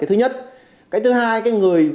thứ nhất cái thứ hai người